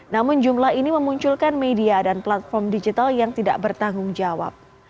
namun jumlah ini memunculkan media dan platform digital yang tidak bertanggung jawab